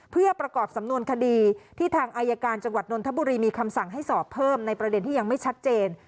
เพื่อประกอบสำนวนคดีที่ทางอายการจังหวัดนนทบุรีมีคำสั่งให้สอบเพิ่มในประเด็นที่ยังไม่ชัดเจน